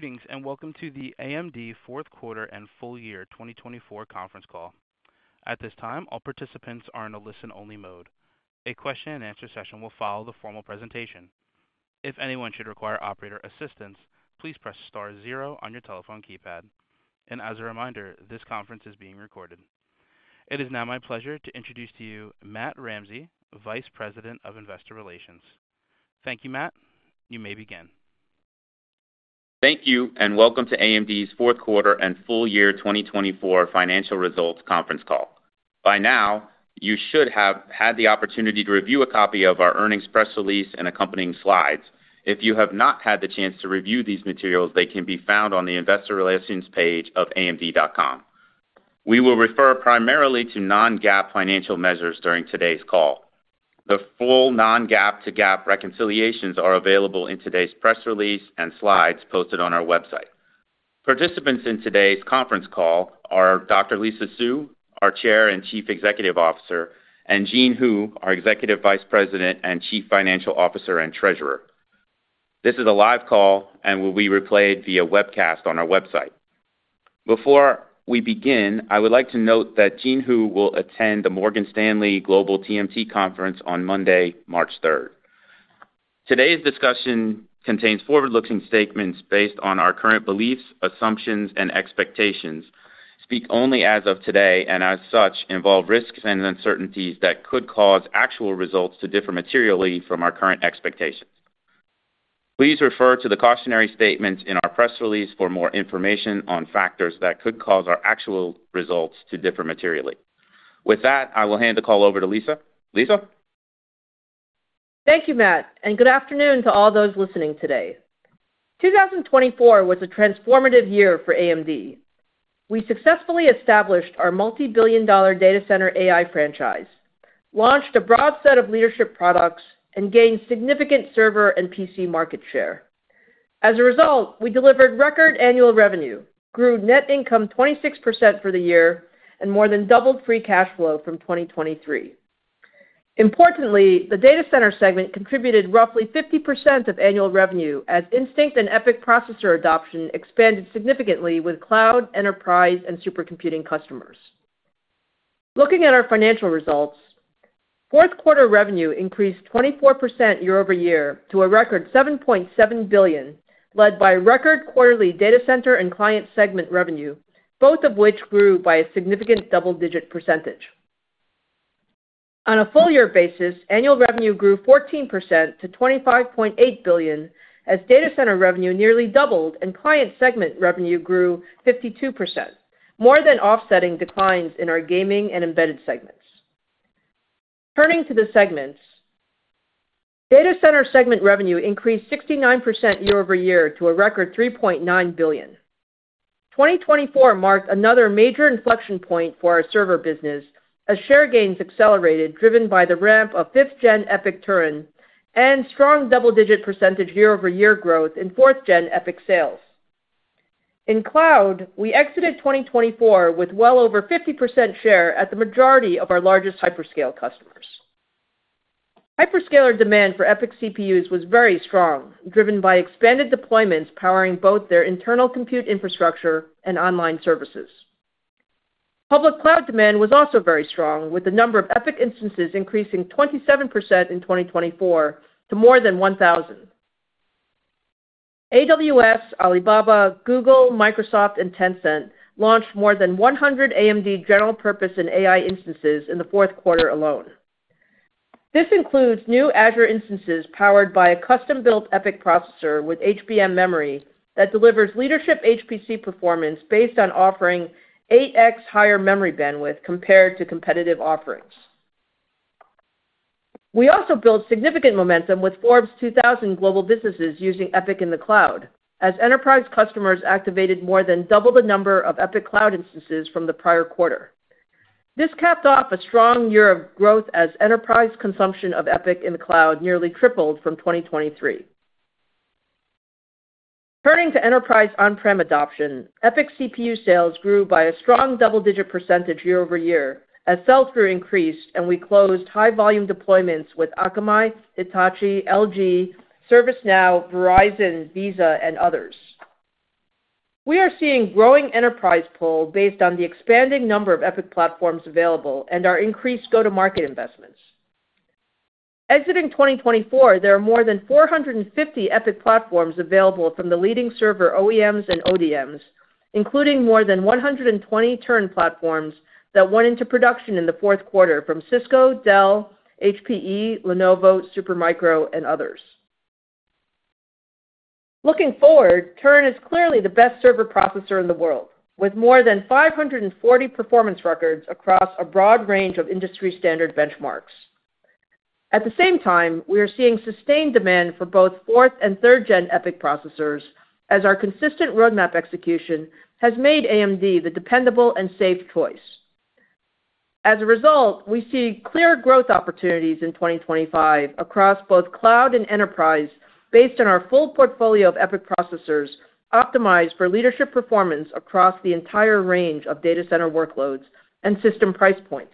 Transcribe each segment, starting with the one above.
Greetings and welcome to the AMD fourth quarter and full year 2024 conference call. At this time, all participants are in a listen-only mode. A question-and-answer session will follow the formal presentation. If anyone should require operator assistance, please press star zero on your telephone keypad. And as a reminder, this conference is being recorded. It is now my pleasure to introduce to you Matt Ramsey, Vice President of Investor Relations. Thank you, Matt. You may begin. Thank you and welcome to AMD's fourth quarter and full year 2024 financial results conference call. By now, you should have had the opportunity to review a copy of our earnings press release and accompanying slides. If you have not had the chance to review these materials, they can be found on the investor relations page of AMD.com. We will refer primarily to non-GAAP financial measures during today's call. The full non-GAAP to GAAP reconciliations are available in today's press release and slides posted on our website. Participants in today's conference call are Dr. Lisa Su, our Chair and Chief Executive Officer, and Jean Hu, our Executive Vice President and Chief Financial Officer and Treasurer. This is a live call and will be replayed via webcast on our website. Before we begin, I would like to note that Jean Hu will attend the Morgan Stanley Global TMT Conference on Monday, March 3rd. Today's discussion contains forward-looking statements based on our current beliefs, assumptions, and expectations, speak only as of today, and as such, involve risks and uncertainties that could cause actual results to differ materially from our current expectations. Please refer to the cautionary statements in our press release for more information on factors that could cause our actual results to differ materially. With that, I will hand the call over to Lisa. Lisa? Thank you, Matt, and good afternoon to all those listening today. 2024 was a transformative year for AMD. We successfully established our multi-billion dollar data center AI franchise, launched a broad set of leadership products, and gained significant server and PC market share. As a result, we delivered record annual revenue, grew net income 26% for the year, and more than doubled free cash flow from 2023. Importantly, the data center segment contributed roughly 50% of annual revenue as Instinct and EPYC processor adoption expanded significantly with cloud, enterprise, and supercomputing customers. Looking at our financial results, fourth quarter revenue increased 24% year-over-year to a record $7.7 billion, led by record quarterly data center and client segment revenue, both of which grew by a significant double-digit percentage. On a full-year basis, annual revenue grew 14% to $25.8 billion as data center revenue nearly doubled and client segment revenue grew 52%, more than offsetting declines in our gaming and embedded segments. Turning to the segments, data center segment revenue increased 69% year-over-year to a record $3.9 billion. 2024 marked another major inflection point for our server business as share gains accelerated, driven by the ramp of 5th-gen EPYC Turin and strong double-digit percentage year-over-year growth in 4th-gen EPYC sales. In cloud, we exited 2024 with well over 50% share at the majority of our largest hyperscale customers. Hyperscaler demand for EPYC CPUs was very strong, driven by expanded deployments powering both their internal compute infrastructure and online services. Public cloud demand was also very strong, with the number of EPYC instances increasing 27% in 2024 to more than 1,000. AWS, Alibaba, Google, Microsoft, and Tencent launched more than 100 AMD general purpose and AI instances in the fourth quarter alone. This includes new Azure instances powered by a custom-built EPYC processor with HBM memory that delivers leadership HPC performance based on offering 8x higher memory bandwidth compared to competitive offerings. We also built significant momentum with Fortune 2000 global businesses using EPYC in the cloud, as enterprise customers activated more than double the number of EPYC cloud instances from the prior quarter. This capped off a strong year of growth as enterprise consumption of EPYC in the cloud nearly tripled from 2023. Turning to enterprise on-prem adoption, EPYC CPU sales grew by a strong double-digit percentage year-over-year as sales grew and we closed high-volume deployments with Akamai, Hitachi, LG, ServiceNow, Verizon, Visa, and others. We are seeing growing enterprise pull based on the expanding number of EPYC platforms available and our increased go-to-market investments. Exiting 2024, there are more than 450 EPYC platforms available from the leading server OEMs and ODMs, including more than 120 Turin platforms that went into production in the fourth quarter from Cisco, Dell, HPE, Lenovo, Supermicro, and others. Looking forward, Turin is clearly the best server processor in the world, with more than 540 performance records across a broad range of industry standard benchmarks. At the same time, we are seeing sustained demand for both fourth- and third-gen EPYC processors as our consistent roadmap execution has made AMD the dependable and safe choice. As a result, we see clear growth opportunities in 2025 across both cloud and enterprise based on our full portfolio of EPYC processors optimized for leadership performance across the entire range of data center workloads and system price points.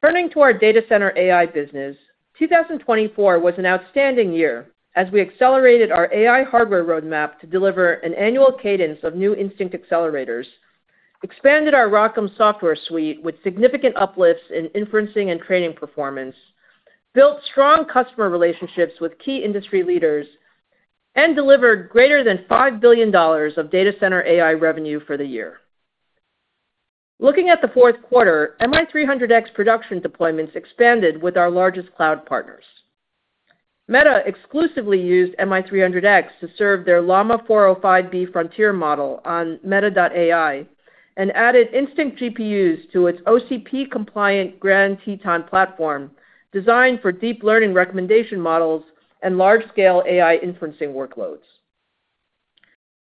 Turning to our data center AI business, 2024 was an outstanding year as we accelerated our AI hardware roadmap to deliver an annual cadence of new Instinct accelerators, expanded our ROCm software suite with significant uplifts in inferencing and training performance, built strong customer relationships with key industry leaders, and delivered greater than $5 billion of data center AI revenue for the year. Looking at the fourth quarter, MI300X production deployments expanded with our largest cloud partners. Meta exclusively used MI300X to serve their Llama 405B frontier model on Meta.ai and added Instinct GPUs to its OCP-compliant Grand Teton platform designed for deep learning recommendation models and large-scale AI inferencing workloads.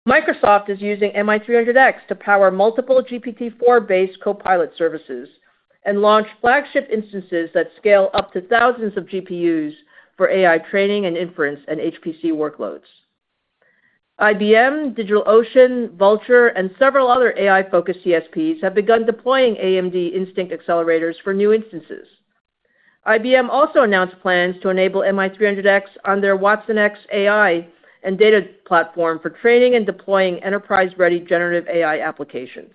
Microsoft is using MI300X to power multiple GPT-4-based Copilot services and launch flagship instances that scale up to thousands of GPUs for AI training and inference and HPC workloads. IBM, DigitalOcean, Vultr, and several other AI-focused CSPs have begun deploying AMD Instinct accelerators for new instances. IBM also announced plans to enable MI300X on their watsonx AI and data platform for training and deploying enterprise-ready generative AI applications.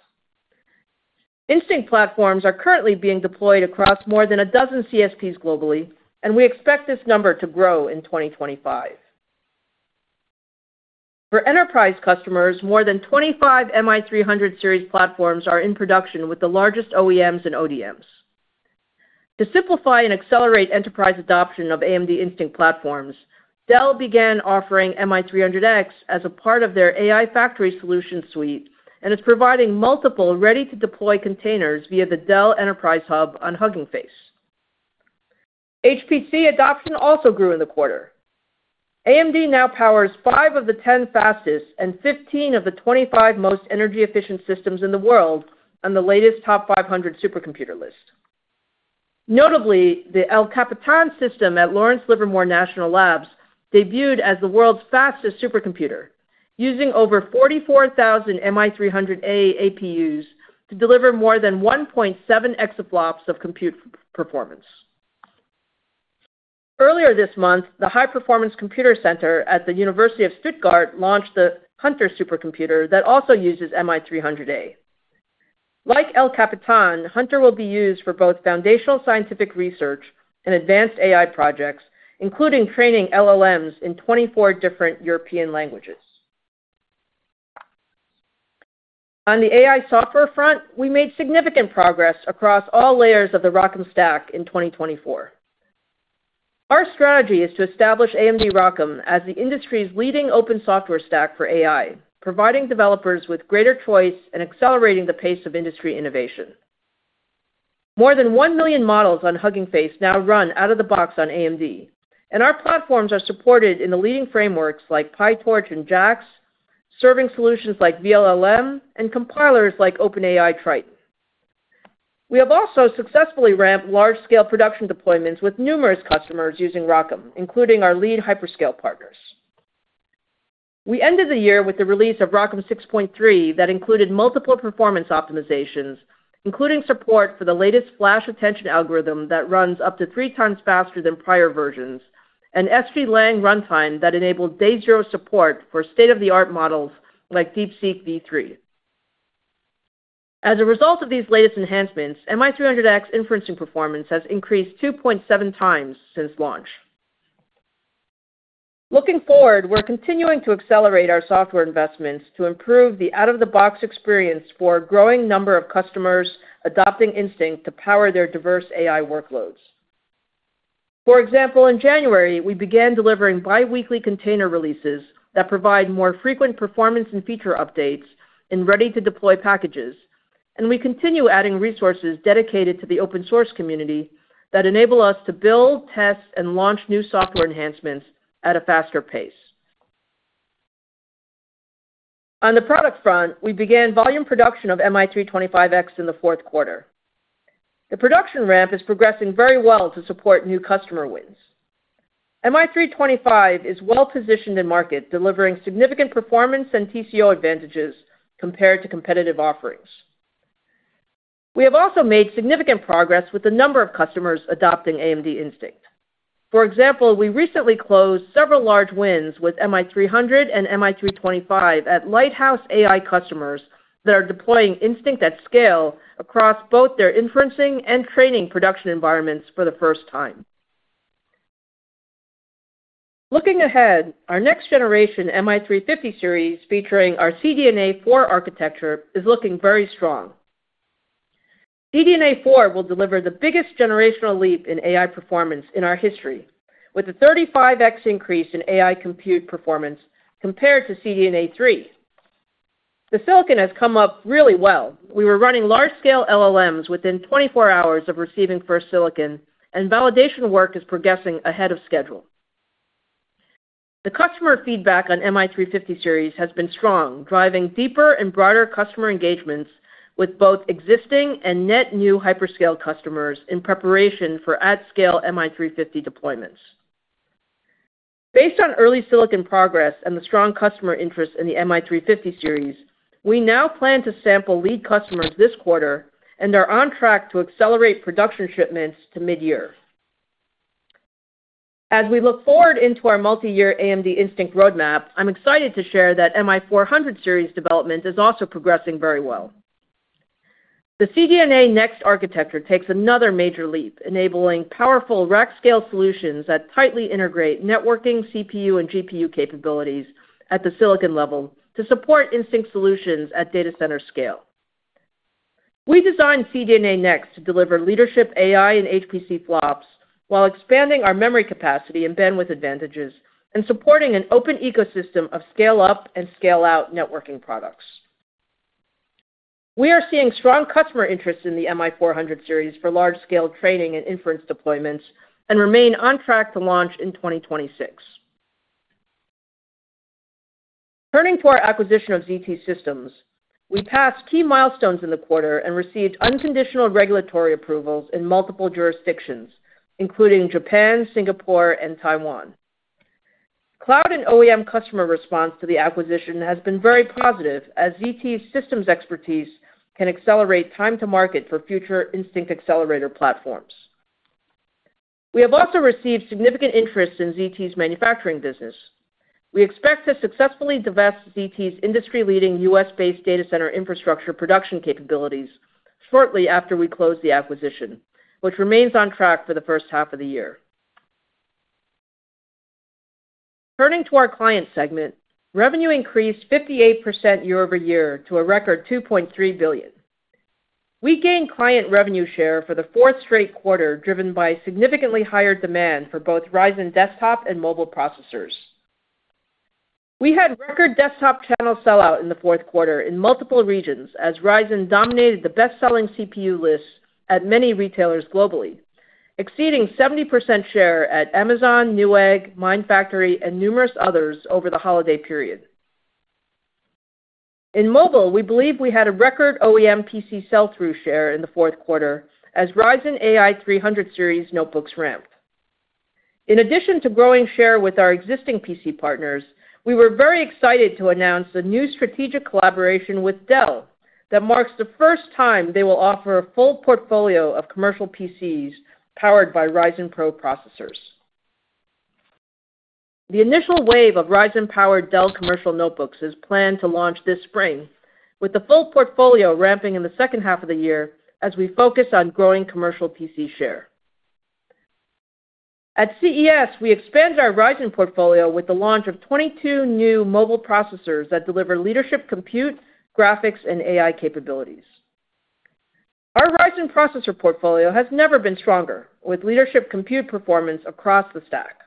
Instinct platforms are currently being deployed across more than a dozen CSPs globally, and we expect this number to grow in 2025. For enterprise customers, more than 25 MI300 series platforms are in production with the largest OEMs and ODMs. To simplify and accelerate enterprise adoption of AMD Instinct platforms, Dell began offering MI300X as a part of their AI Factory Solution suite and is providing multiple ready-to-deploy containers via the Dell Enterprise Hub on Hugging Face. HPC adoption also grew in the quarter. AMD now powers five of the 10 fastest and 15 of the 25 most energy-efficient systems in the world on the latest TOP500 supercomputer list. Notably, the El Capitan system at Lawrence Livermore National Labs debuted as the world's fastest supercomputer, using over 44,000 MI300A APUs to deliver more than 1.7 exaflops of compute performance. Earlier this month, the High Performance Computer Center at the University of Stuttgart launched the Hunter supercomputer that also uses MI300A. Like El Capitan, Hunter will be used for both foundational scientific research and advanced AI projects, including training LLMs in 24 different European languages. On the AI software front, we made significant progress across all layers of the ROCm stack in 2024. Our strategy is to establish AMD ROCm as the industry's leading open software stack for AI, providing developers with greater choice and accelerating the pace of industry innovation. More than 1 million models on Hugging Face now run out of the box on AMD, and our platforms are supported in the leading frameworks like PyTorch and JAX, serving solutions like vLLM and compilers like OpenAI Triton. We have also successfully ramped large-scale production deployments with numerous customers using ROCm, including our lead hyperscale partners. We ended the year with the release of ROCm 6.3 that included multiple performance optimizations, including support for the latest FlashAttention algorithm that runs up to three times faster than prior versions, and SGLang runtime that enabled day zero support for state-of-the-art models like DeepSeek-V3. As a result of these latest enhancements, MI300X inference performance has increased 2.7x since launch. Looking forward, we're continuing to accelerate our software investments to improve the out-of-the-box experience for a growing number of customers adopting Instinct to power their diverse AI workloads. For example, in January, we began delivering biweekly container releases that provide more frequent performance and feature updates in ready-to-deploy packages, and we continue adding resources dedicated to the open-source community that enable us to build, test, and launch new software enhancements at a faster pace. On the product front, we began volume production of MI325X in the fourth quarter. The production ramp is progressing very well to support new customer wins. MI325 is well-positioned in market, delivering significant performance and TCO advantages compared to competitive offerings. We have also made significant progress with the number of customers adopting AMD Instinct. For example, we recently closed several large wins with MI300 and MI325 at Lighthouse AI customers that are deploying Instinct at scale across both their inferencing and training production environments for the first time. Looking ahead, our next generation MI350 series featuring our CDNA 4 architecture is looking very strong. CDNA 4 will deliver the biggest generational leap in AI performance in our history, with a 35x increase in AI compute performance compared to CDNA 3. The silicon has come up really well. We were running large-scale LLMs within 24 hours of receiving first silicon, and validation work is progressing ahead of schedule. The customer feedback on MI350 series has been strong, driving deeper and broader customer engagements with both existing and net new hyperscale customers in preparation for at-scale MI350 deployments. Based on early silicon progress and the strong customer interest in the MI350 series, we now plan to sample lead customers this quarter and are on track to accelerate production shipments to mid-year. As we look forward into our multi-year AMD Instinct roadmap, I'm excited to share that MI400 series development is also progressing very well. The CDNA Next architecture takes another major leap, enabling powerful rack-scale solutions that tightly integrate networking, CPU, and GPU capabilities at the silicon level to support Instinct solutions at data center scale. We designed CDNA Next to deliver leadership AI and HPC flops while expanding our memory capacity and bandwidth advantages and supporting an open ecosystem of scale-up and scale-out networking products. We are seeing strong customer interest in the MI400 series for large-scale training and inference deployments and remain on track to launch in 2026. Turning to our acquisition of ZT Systems, we passed key milestones in the quarter and received unconditional regulatory approvals in multiple jurisdictions, including Japan, Singapore, and Taiwan. Cloud and OEM customer response to the acquisition has been very positive as ZT Systems' expertise can accelerate time-to-market for future Instinct accelerator platforms. We have also received significant interest in ZT's manufacturing business. We expect to successfully divest ZT's industry-leading U.S.-based data center infrastructure production capabilities shortly after we close the acquisition, which remains on track for the first half of the year. Turning to our client segment, revenue increased 58% year-over-year to a record $2.3 billion. We gained client revenue share for the fourth straight quarter, driven by significantly higher demand for both Ryzen desktop and mobile processors. We had record desktop channel sellout in the fourth quarter in multiple regions as Ryzen dominated the best-selling CPU list at many retailers globally, exceeding 70% share at Amazon, Newegg, Mindfactory, and numerous others over the holiday period. In mobile, we believe we had a record OEM PC sell-through share in the fourth quarter as Ryzen AI 300 series notebooks ramped. In addition to growing share with our existing PC partners, we were very excited to announce a new strategic collaboration with Dell that marks the first time they will offer a full portfolio of commercial PCs powered by Ryzen PRO processors. The initial wave of Ryzen-powered Dell commercial notebooks is planned to launch this spring, with the full portfolio ramping in the second half of the year as we focus on growing commercial PC share. At CES, we expanded our Ryzen portfolio with the launch of 22 new mobile processors that deliver leadership compute, graphics, and AI capabilities. Our Ryzen processor portfolio has never been stronger, with leadership compute performance across the stack.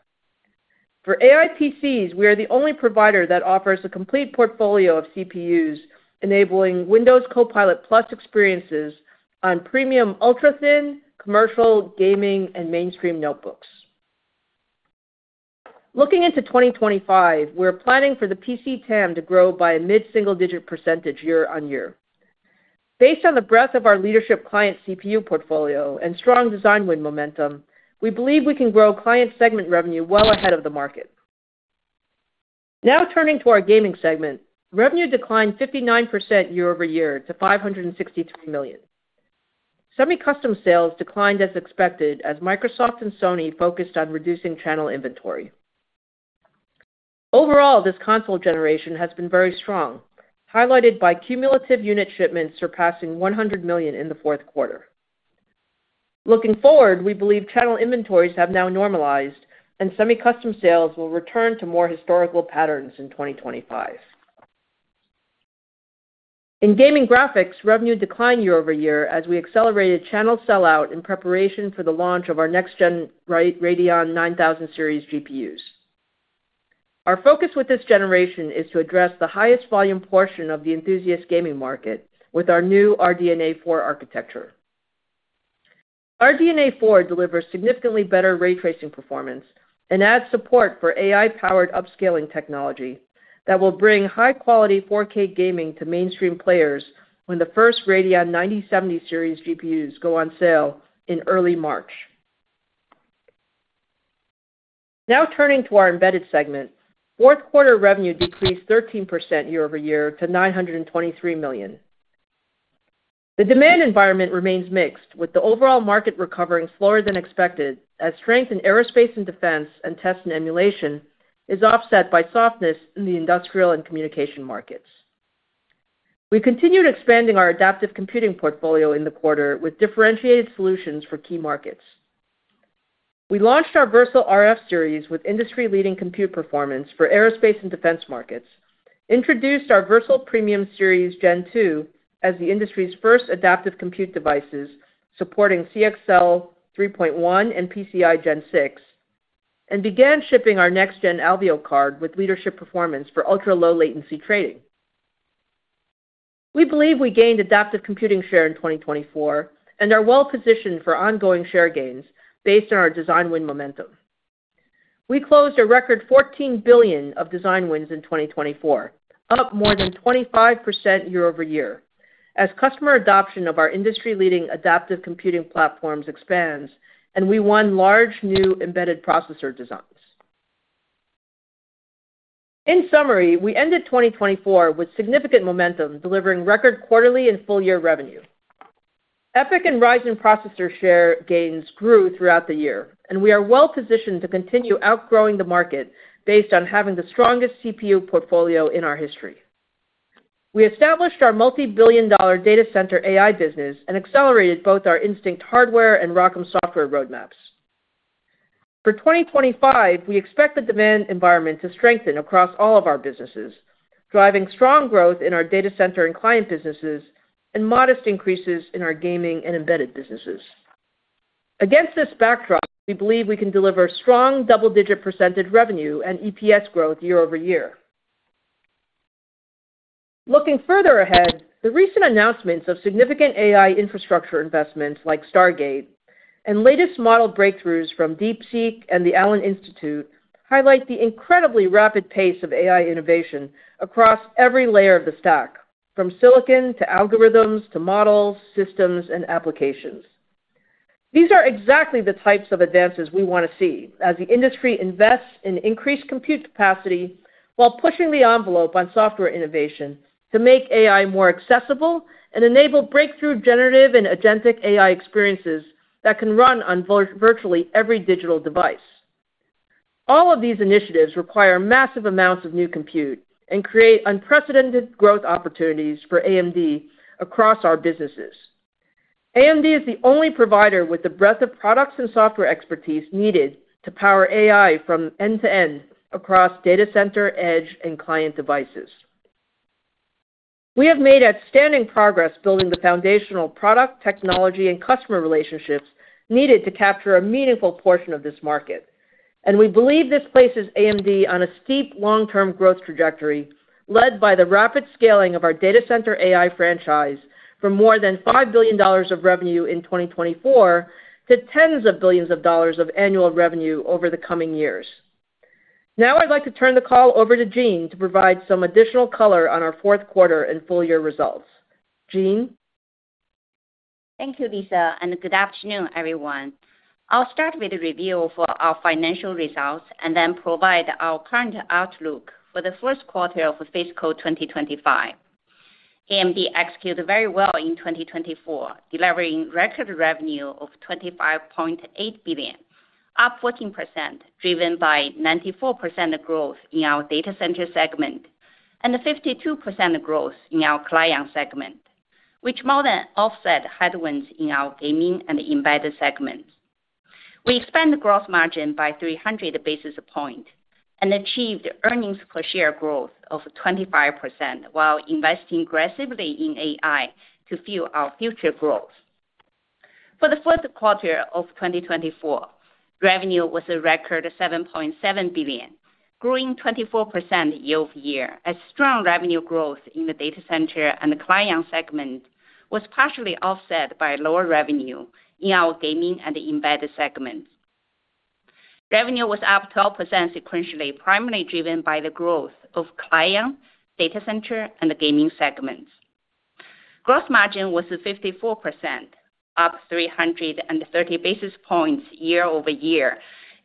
For AI PCs, we are the only provider that offers a complete portfolio of CPUs, enabling Windows Copilot+ experiences on premium ultra-thin commercial, gaming, and mainstream notebooks. Looking into 2025, we're planning for the PC TAM to grow by a mid-single-digit percentage year on year. Based on the breadth of our leadership client CPU portfolio and strong design win momentum, we believe we can grow client segment revenue well ahead of the market. Now turning to our gaming segment, revenue declined 59% year-over-year to $563 million. Semi-custom sales declined as expected as Microsoft and Sony focused on reducing channel inventory. Overall, this console generation has been very strong, highlighted by cumulative unit shipments surpassing 100 million in the fourth quarter. Looking forward, we believe channel inventories have now normalized, and semi-custom sales will return to more historical patterns in 2025. In gaming graphics, revenue declined year-over-year as we accelerated channel sellout in preparation for the launch of our next-gen Radeon 9000 series GPUs. Our focus with this generation is to address the highest volume portion of the enthusiast gaming market with our new RDNA 4 architecture. RDNA 4 delivers significantly better ray tracing performance and adds support for AI-powered upscaling technology that will bring high-quality 4K gaming to mainstream players when the first Radeon 9070 series GPUs go on sale in early March. Now turning to our embedded segment, fourth quarter revenue decreased 13% year-over-year to $923 million. The demand environment remains mixed, with the overall market recovering slower than expected as strength in aerospace and defense and test and emulation is offset by softness in the industrial and communication markets. We continued expanding our adaptive computing portfolio in the quarter with differentiated solutions for key markets. We launched our Versal RF series with industry-leading compute performance for aerospace and defense markets, introduced our Versal Premium Series Gen 2 as the industry's first adaptive compute devices supporting CXL 3.1 and PCI Gen 6, and began shipping our next-gen Alveo card with leadership performance for ultra-low latency trading. We believe we gained adaptive computing share in 2024 and are well-positioned for ongoing share gains based on our design win momentum. We closed a record $14 billion of design wins in 2024, up more than 25% year-over-year as customer adoption of our industry-leading adaptive computing platforms expands and we won large new embedded processor designs. In summary, we ended 2024 with significant momentum, delivering record quarterly and full-year revenue. EPYC and Ryzen processor share gains grew throughout the year, and we are well-positioned to continue outgrowing the market based on having the strongest CPU portfolio in our history. We established our multi-billion-dollar data center AI business and accelerated both our Instinct hardware and ROCm software roadmaps. For 2025, we expect the demand environment to strengthen across all of our businesses, driving strong growth in our data center and client businesses and modest increases in our gaming and embedded businesses. Against this backdrop, we believe we can deliver strong double-digit percentage revenue and EPS growth year-over-year. Looking further ahead, the recent announcements of significant AI infrastructure investments like Stargate and latest model breakthroughs from DeepSeek and the Allen Institute highlight the incredibly rapid pace of AI innovation across every layer of the stack, from silicon to algorithms to models, systems, and applications. These are exactly the types of advances we want to see as the industry invests in increased compute capacity while pushing the envelope on software innovation to make AI more accessible and enable breakthrough generative and agentic AI experiences that can run on virtually every digital device. All of these initiatives require massive amounts of new compute and create unprecedented growth opportunities for AMD across our businesses. AMD is the only provider with the breadth of products and software expertise needed to power AI from end to end across data center, edge, and client devices. We have made outstanding progress building the foundational product, technology, and customer relationships needed to capture a meaningful portion of this market, and we believe this places AMD on a steep long-term growth trajectory led by the rapid scaling of our data center AI franchise from more than $5 billion of revenue in 2024 to tens of billions of dollars of annual revenue over the coming years. Now I'd like to turn the call over to Jean to provide some additional color on our fourth quarter and full-year results. Jean? Thank you, Lisa, and good afternoon, everyone. I'll start with a review of our financial results and then provide our current outlook for the first quarter of fiscal 2025. AMD executed very well in 2024, delivering record revenue of $25.8 billion, up 14%, driven by 94% growth in our data center segment and 52% growth in our client segment, which more than offset headwinds in our gaming and embedded segments. We expanded the gross margin by 300 basis points and achieved earnings per share growth of 25% while investing aggressively in AI to fuel our future growth. For the fourth quarter of 2024, revenue was a record $7.7 billion, growing 24% year-over-year. A strong revenue growth in the data center and the client segment was partially offset by lower revenue in our gaming and embedded segments. Revenue was up 12% sequentially, primarily driven by the growth of client, data center, and the gaming segments. Gross margin was 54%, up 330 basis points year-over-year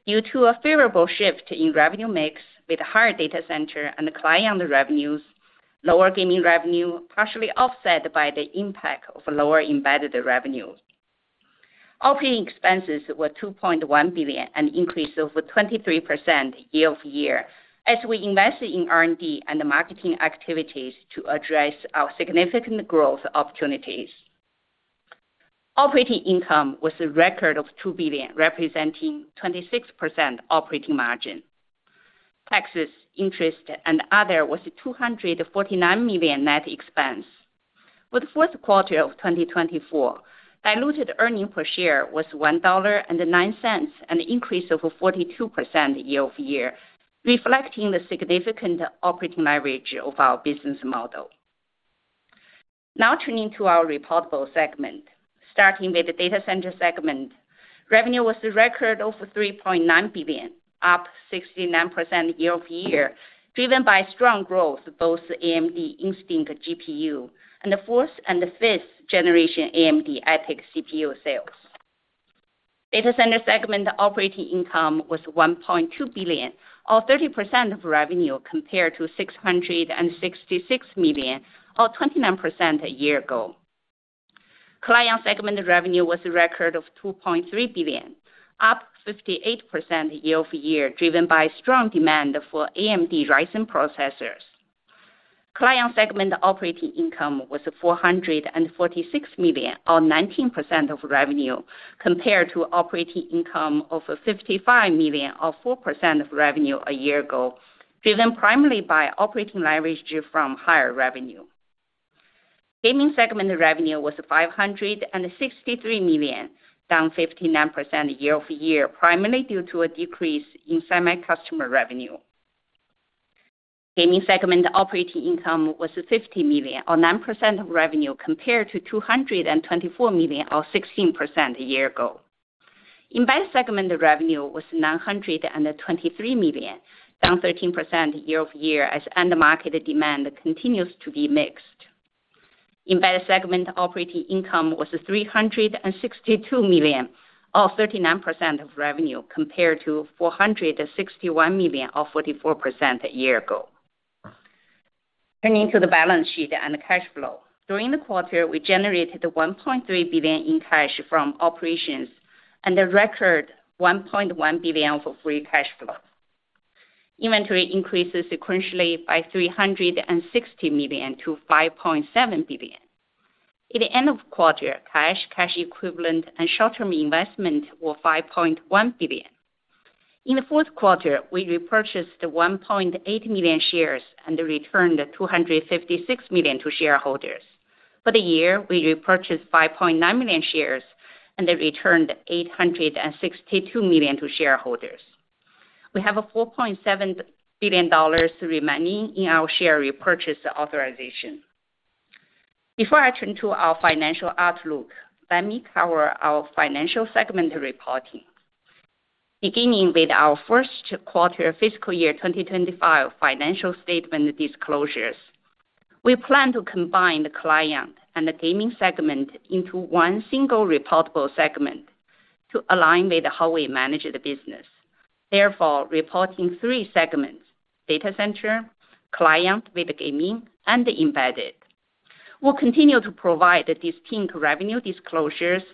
due to a favorable shift in revenue mix with higher data center and client revenues, lower gaming revenue partially offset by the impact of lower embedded revenue. Operating expenses were $2.1 billion and increased over 23% year-over-year as we invested in R&D and marketing activities to address our significant growth opportunities. Operating income was a record of $2 billion, representing 26% operating margin. Taxes, interest, and other was $249 million net expense. For the fourth quarter of 2024, diluted earning per share was $1.09 and an increase of 42% year-over-year, reflecting the significant operating leverage of our business model. Now turning to our reportable segment, starting with the data center segment, revenue was a record of $3.9 billion, up 69% year-over-year, driven by strong growth of both AMD Instinct GPU and the fourth and 5th generation AMD EPYC CPU sales. Data center segment operating income was $1.2 billion, or 30% of revenue, compared to $666 million, or 29% a year ago. Client segment revenue was a record of $2.3 billion, up 58% year-over-year, driven by strong demand for AMD Ryzen processors. Client segment operating income was $446 million, or 19% of revenue, compared to operating income of $55 million, or 4% of revenue a year ago, driven primarily by operating leverage from higher revenue. Gaming segment revenue was $563 million, down 59% year-over-year, primarily due to a decrease in semi-custom revenue. Gaming segment operating income was $50 million, or 9% of revenue, compared to $224 million, or 16% a year ago. Embedded segment revenue was $923 million, down 13% year-over-year as end-market demand continues to be mixed. Embedded segment operating income was $362 million, or 39% of revenue, compared to $461 million, or 44% a year ago. Turning to the balance sheet and cash flow, during the quarter, we generated $1.3 billion in cash from operations and a record $1.1 billion for free cash flow. Inventory increased sequentially by $360 million to $5.7 billion. At the end of the quarter, cash, cash equivalents, and short-term investments were $5.1 billion. In the fourth quarter, we repurchased 1.8 million shares and returned $256 million to shareholders. For the year, we repurchased 5.9 million shares and returned $862 million to shareholders. We have $4.7 billion remaining in our share repurchase authorization. Before I turn to our financial outlook, let me cover our financial segment reporting. Beginning with our first quarter fiscal year 2025 financial statement disclosures, we plan to combine the client and the gaming segment into one single reportable segment to align with how we manage the business. Therefore, reporting three segments: data center, client with gaming, and embedded. We'll continue to provide distinct revenue disclosures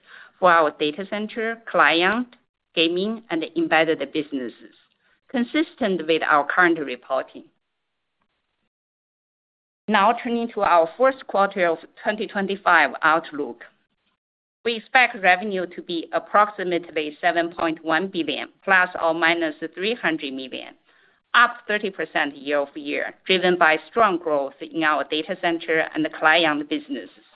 for our data center, client, gaming, and embedded businesses, consistent with our current reporting. Now turning to our fourth quarter of 2025 outlook, we expect revenue to be approximately $7.1 billion+ or -$300 million, up 30% year-over-year, driven by strong growth in our data center and client businesses,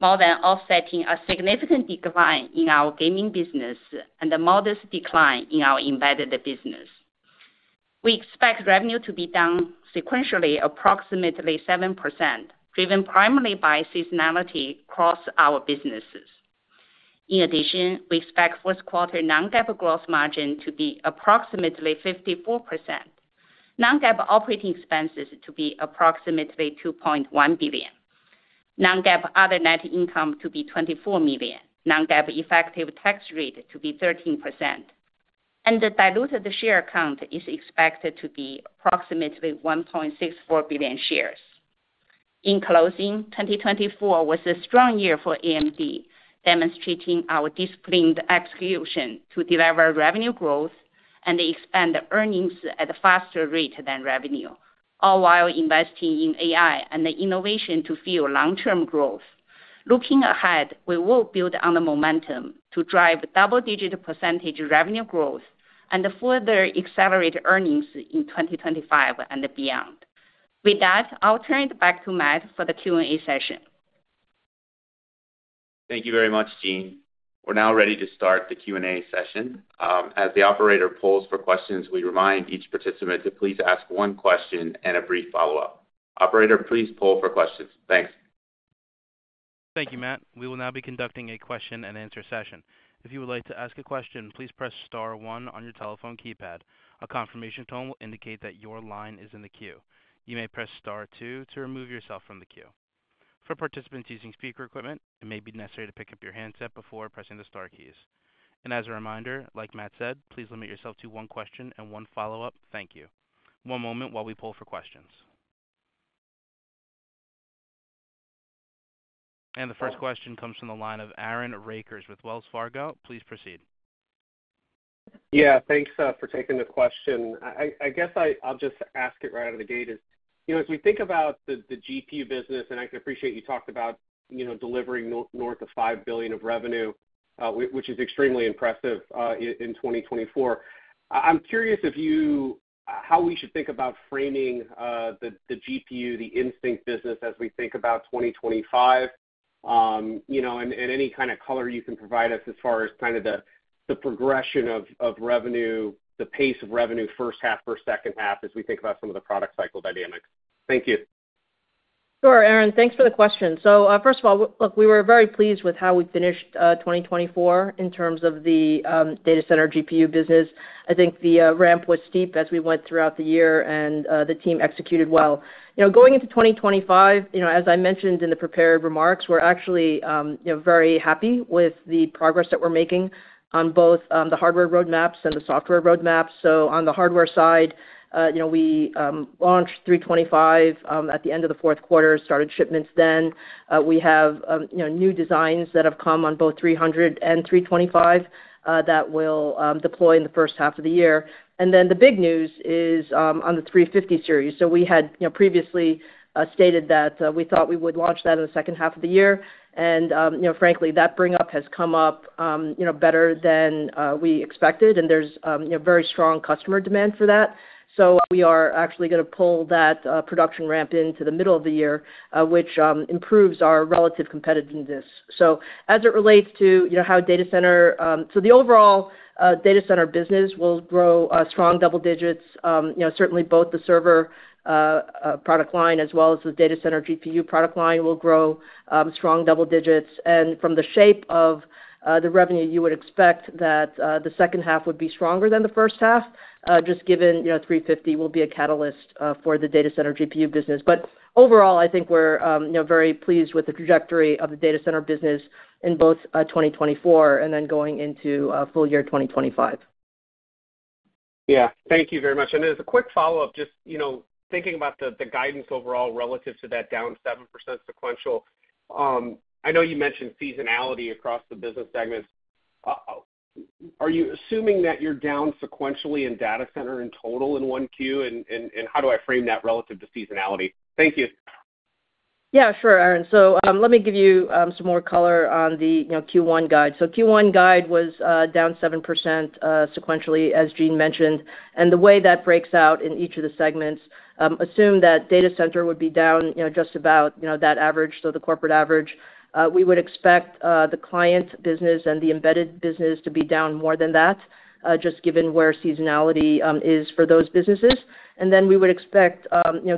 more than offsetting a significant decline in our gaming business and a modest decline in our embedded business. We expect revenue to be down sequentially approximately 7%, driven primarily by seasonality across our businesses. In addition, we expect fourth quarter non-GAAP gross margin to be approximately 54%, non-GAAP operating expenses to be approximately $2.1 billion, non-GAAP other net income to be $24 million, non-GAAP effective tax rate to be 13%, and the diluted share count is expected to be approximately 1.64 billion shares. In closing, 2024 was a strong year for AMD, demonstrating our disciplined execution to deliver revenue growth and expand earnings at a faster rate than revenue, all while investing in AI and innovation to fuel long-term growth. Looking ahead, we will build on the momentum to drive double-digit percentage revenue growth and further accelerate earnings in 2025 and beyond. With that, I'll turn it back to Matt for the Q&A session. Thank you very much, Jean. We're now ready to start the Q&A session. As the operator polls for questions, we remind each participant to please ask one question and a brief follow-up. Operator, please poll for questions. Thanks. Thank you, Matt. We will now be conducting a question-and-answer session. If you would like to ask a question, please press star one on your telephone keypad. A confirmation tone will indicate that your line is in the queue. You may press star two to remove yourself from the queue. For participants using speaker equipment, it may be necessary to pick up your handset before pressing the Star keys. And as a reminder, like Matt said, please limit yourself to one question and one follow-up. Thank you. One moment while we poll for questions. And the first question comes from the line of Aaron Rakers with Wells Fargo. Please proceed. Yeah, thanks for taking the question. I guess I'll just ask it right out of the gate. As we think about the GPU business, and I can appreciate you talked about delivering north of $5 billion of revenue, which is extremely impressive in 2024. I'm curious how we should think about framing the GPU, the Instinct business, as we think about 2025, and any kind of color you can provide us as far as kind of the progression of revenue, the pace of revenue, first half, second half, as we think about some of the product cycle dynamics. Thank you. Sure, Aaron. Thanks for the question. So first of all, look, we were very pleased with how we finished 2024 in terms of the data center GPU business. I think the ramp was steep as we went throughout the year, and the team executed well. Going into 2025, as I mentioned in the prepared remarks, we're actually very happy with the progress that we're making on both the hardware roadmaps and the software roadmaps. So on the hardware side, we launched 325 at the end of the fourth quarter, started shipments then. We have new designs that have come on both 300 and 325 that will deploy in the first half of the year. And then the big news is on the 350 series. So we had previously stated that we thought we would launch that in the second half of the year. And frankly, that bring-up has come up better than we expected, and there's very strong customer demand for that. So we are actually going to pull that production ramp into the middle of the year, which improves our relative competitiveness. So as it relates to how data center—so the overall data center business will grow strong double digits. Certainly, both the server product line as well as the data center GPU product line will grow strong double digits. And from the shape of the revenue, you would expect that the second half would be stronger than the first half, just given 350 will be a catalyst for the data center GPU business. But overall, I think we're very pleased with the trajectory of the data center business in both 2024 and then going into full year 2025. Yeah. Thank you very much. And as a quick follow-up, just thinking about the guidance overall relative to that down 7% sequential, I know you mentioned seasonality across the business segments. Are you assuming that you're down sequentially in Data Center in total in Q1, and how do I frame that relative to seasonality? Thank you. Yeah, sure, Aaron. So let me give you some more color on the Q1 guide. So Q1 guide was down 7% sequentially, as Jean mentioned. And the way that breaks out in each of the segments, assume that Data Center would be down just about that average, so the corporate average. We would expect the Client business and the Embedded business to be down more than that, just given where seasonality is for those businesses. And then we would expect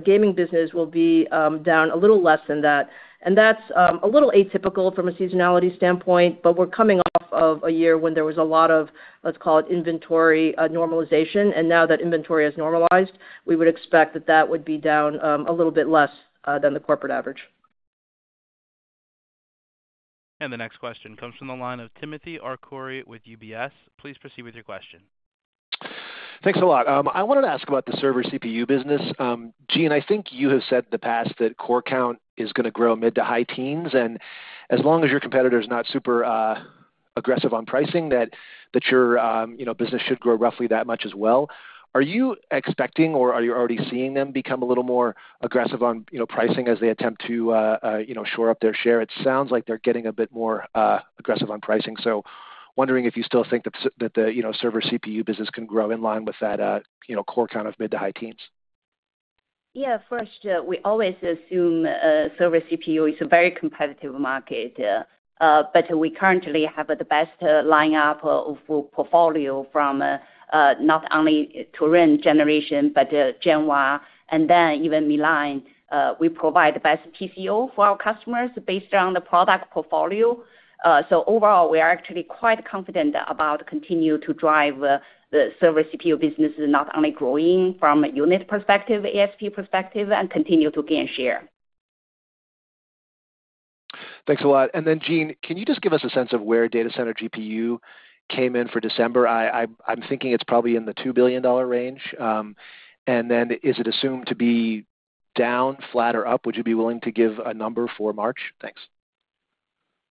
Gaming business will be down a little less than that. And that's a little atypical from a seasonality standpoint, but we're coming off of a year when there was a lot of, let's call it, inventory normalization. Now that inventory has normalized, we would expect that that would be down a little bit less than the corporate average. The next question comes from the line of Timothy Arcuri with UBS. Please proceed with your question. Thanks a lot. I wanted to ask about the server CPU business. Jean, I think you have said in the past that core count is going to grow mid to high teens, and as long as your competitor is not super aggressive on pricing, that your business should grow roughly that much as well. Are you expecting or are you already seeing them become a little more aggressive on pricing as they attempt to shore up their share? It sounds like they're getting a bit more aggressive on pricing. Wondering if you still think that the server CPU business can grow in line with that core count of mid to high teens. Yeah, of course. We always assume server CPU is a very competitive market, but we currently have the best lineup of portfolio from not only Turin Generation, but Genoa, and then even Milan. We provide the best TCO for our customers based on the product portfolio. So overall, we are actually quite confident about continuing to drive the server CPU business, not only growing from a unit perspective, ASP perspective, and continue to gain share. Thanks a lot. And then, Jean, can you just give us a sense of where data center GPU came in for December? I'm thinking it's probably in the $2 billion range. And then is it assumed to be down, flat, or up? Would you be willing to give a number for March? Thanks.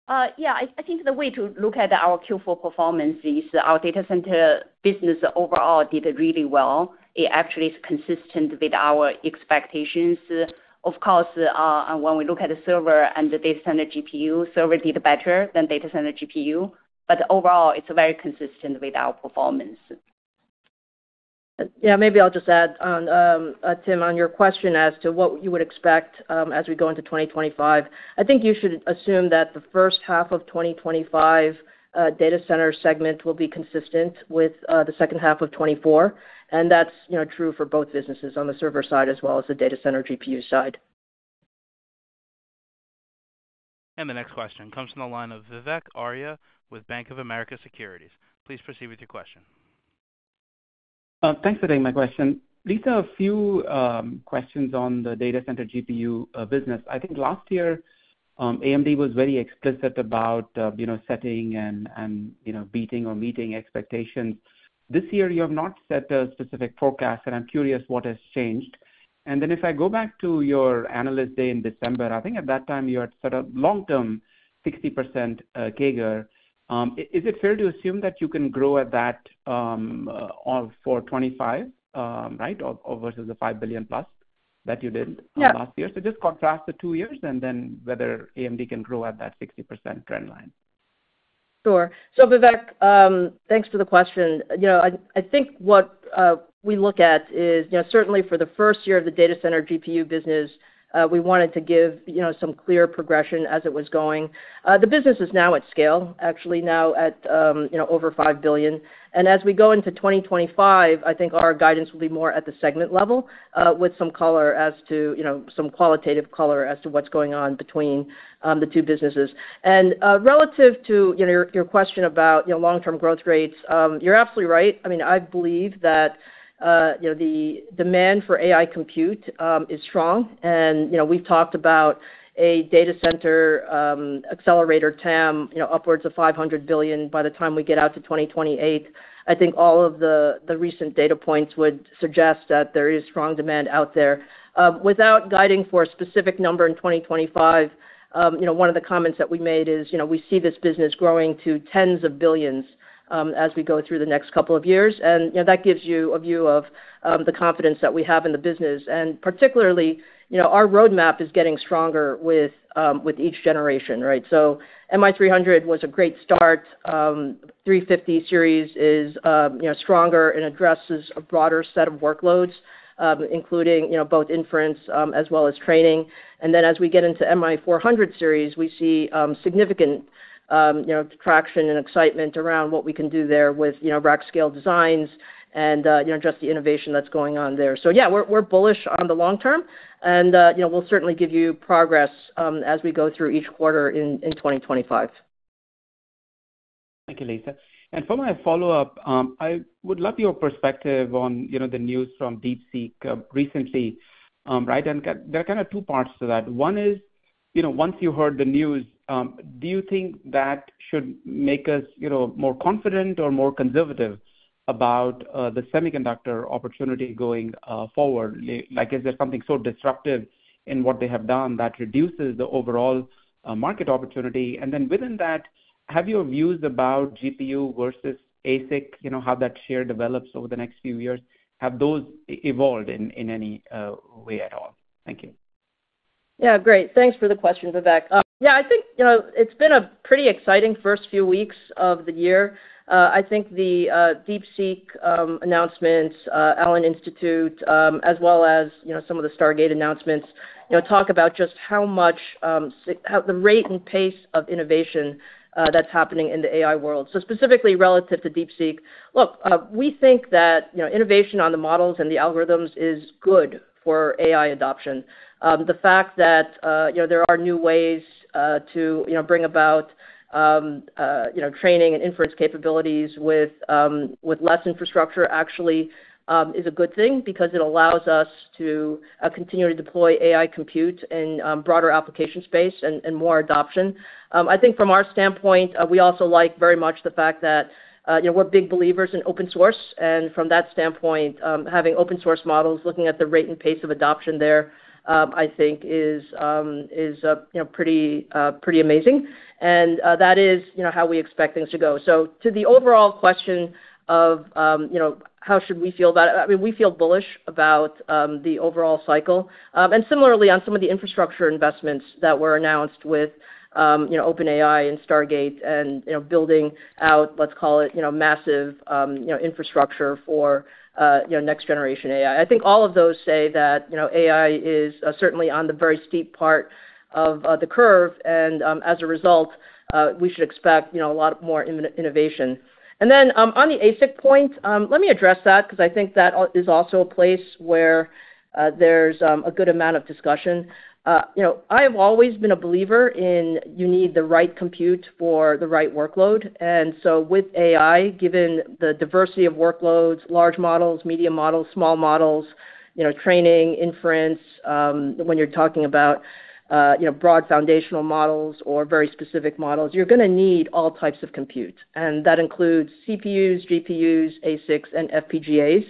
Yeah. I think the way to look at our Q4 performance is our data center business overall did really well. It actually is consistent with our expectations. Of course, when we look at the server and the data center GPU, server did better than data center GPU. But overall, it's very consistent with our performance. Yeah, maybe I'll just add, Tim, on your question as to what you would expect as we go into 2025. I think you should assume that the first half of 2025 data center segment will be consistent with the second half of 2024. And that's true for both businesses on the server side as well as the data center GPU side. And the next question comes from the line of Vivek Arya with Bank of America Securities. Please proceed with your question. Thanks for taking my question. These are a few questions on the data center GPU business. I think last year, AMD was very explicit about setting and beating or meeting expectations. This year, you have not set a specific forecast, and I'm curious what has changed. And then if I go back to your analyst day in December, I think at that time you had set a long-term 60% CAGR. Is it fair to assume that you can grow at that for 2025, right, versus the $5 billion+ that you did last year? So just contrast the two years and then whether AMD can grow at that 60% trend line. Sure. So Vivek, thanks for the question. I think what we look at is certainly for the first year of the data center GPU business, we wanted to give some clear progression as it was going. The business is now at scale, actually now at over $5 billion. As we go into 2025, I think our guidance will be more at the segment level with some color as to some qualitative color as to what's going on between the two businesses. Relative to your question about long-term growth rates, you're absolutely right. I mean, I believe that the demand for AI compute is strong. We've talked about a data center accelerator TAM upwards of $500 billion by the time we get out to 2028. I think all of the recent data points would suggest that there is strong demand out there. Without guiding for a specific number in 2025, one of the comments that we made is we see this business growing to tens of billions as we go through the next couple of years. And that gives you a view of the confidence that we have in the business. And particularly, our roadmap is getting stronger with each generation, right? So MI300 was a great start. MI350 series is stronger and addresses a broader set of workloads, including both inference as well as training. And then as we get into MI400 series, we see significant traction and excitement around what we can do there with rack-scale designs and just the innovation that's going on there. So yeah, we're bullish on the long-term, and we'll certainly give you progress as we go through each quarter in 2025. Thank you, Lisa. And for my follow-up, I would love your perspective on the news from DeepSeek recently, right? And there are kind of two parts to that. One is, once you heard the news, do you think that should make us more confident or more conservative about the semiconductor opportunity going forward? Is there something so disruptive in what they have done that reduces the overall market opportunity? And then within that, have your views about GPU versus ASIC, how that share develops over the next few years, have those evolved in any way at all? Thank you. Yeah, great. Thanks for the question, Vivek. Yeah, I think it's been a pretty exciting first few weeks of the year. I think the DeepSeek announcements, Allen Institute, as well as some of the Stargate announcements, talk about just how much the rate and pace of innovation that's happening in the AI world. So specifically relative to DeepSeek, look, we think that innovation on the models and the algorithms is good for AI adoption. The fact that there are new ways to bring about training and inference capabilities with less infrastructure actually is a good thing because it allows us to continue to deploy AI compute in broader application space and more adoption. I think from our standpoint, we also like very much the fact that we're big believers in open source. And from that standpoint, having open source models, looking at the rate and pace of adoption there, I think is pretty amazing. And that is how we expect things to go. So to the overall question of how should we feel about it, I mean, we feel bullish about the overall cycle. And similarly, on some of the infrastructure investments that were announced with OpenAI and Stargate and building out, let's call it, massive infrastructure for next-generation AI. I think all of those say that AI is certainly on the very steep part of the curve, and as a result, we should expect a lot more innovation, and then on the ASIC point, let me address that because I think that is also a place where there's a good amount of discussion. I have always been a believer in you need the right compute for the right workload, and so with AI, given the diversity of workloads, large models, medium models, small models, training, inference, when you're talking about broad foundational models or very specific models, you're going to need all types of compute, and that includes CPUs, GPUs, ASICs, and FPGAs.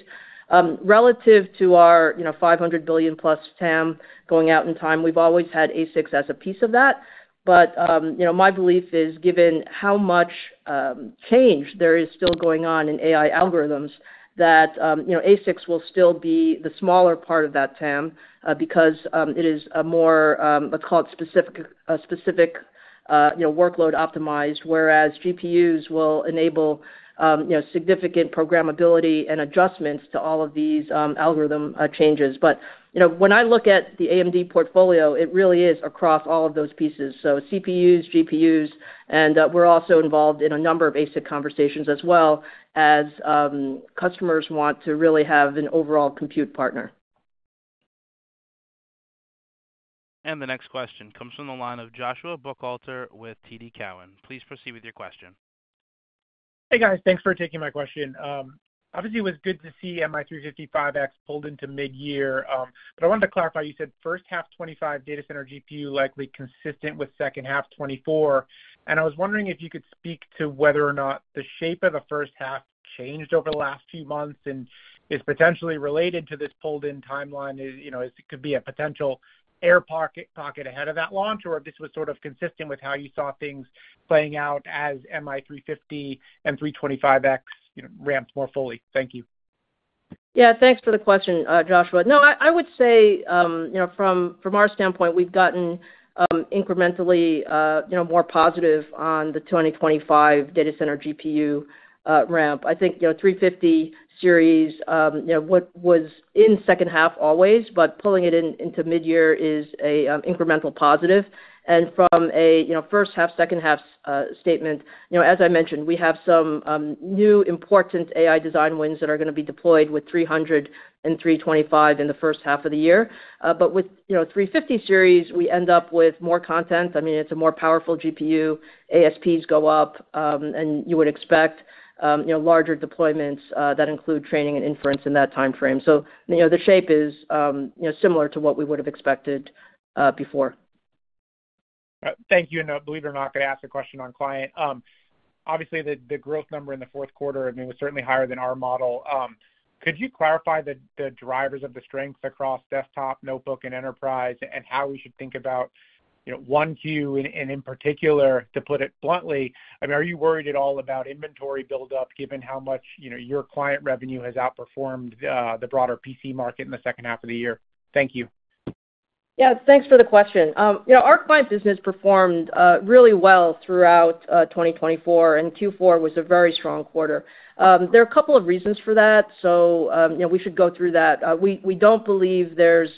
Relative to our $500 billion+ TAM going out in time, we've always had ASICs as a piece of that. But my belief is, given how much change there is still going on in AI algorithms, that ASICs will still be the smaller part of that TAM because it is a more, let's call it, specific workload optimized, whereas GPUs will enable significant programmability and adjustments to all of these algorithm changes. But when I look at the AMD portfolio, it really is across all of those pieces. So CPUs, GPUs, and we're also involved in a number of ASIC conversations as well as customers want to really have an overall compute partner. And the next question comes from the line of Joshua Buchalter with TD Cowen. Please proceed with your question. Hey, guys. Thanks for taking my question. Obviously, it was good to see MI355X pulled into mid-year. But I wanted to clarify. You said first half 2025 data center GPU likely consistent with second half 2024. I was wondering if you could speak to whether or not the shape of the first half changed over the last few months and is potentially related to this pulled-in timeline. It could be a potential air pocket ahead of that launch or if this was sort of consistent with how you saw things playing out as MI350 and MI325X ramped more fully. Thank you. Yeah, thanks for the question, Joshua. No, I would say from our standpoint, we've gotten incrementally more positive on the 2025 data center GPU ramp. I think MI350 series was in second half always, but pulling it into mid-year is an incremental positive. And from a first half, second half statement, as I mentioned, we have some new important AI design wins that are going to be deployed with MI300 and MI325 in the first half of the year. But with 350 series, we end up with more content. I mean, it's a more powerful GPU. ASPs go up, and you would expect larger deployments that include training and inference in that timeframe. So the shape is similar to what we would have expected before. Thank you. And believe it or not, I'm going to ask a question on client. Obviously, the growth number in the fourth quarter, I mean, was certainly higher than our model. Could you clarify the drivers of the strengths across desktop, notebook, and enterprise and how we should think about 1Q and in particular, to put it bluntly, I mean, are you worried at all about inventory build-up given how much your client revenue has outperformed the broader PC market in the second half of the year? Thank you. Yeah, thanks for the question. Our client business performed really well throughout 2024, and Q4 was a very strong quarter. There are a couple of reasons for that, so we should go through that. We don't believe there's